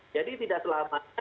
jadi tidak selamanya